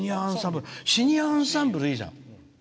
シニアアンサンブルいいじゃない。